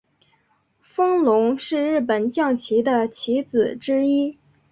风龙是日本将棋的棋子之一。